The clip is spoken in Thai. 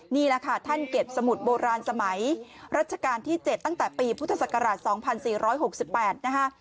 นี่แหละค่ะท่านเก็บสมุดโบราณสมัยรัชกาลที่๗ตั้งแต่ปีพุทธศักราช๒๔๖๘นะคะ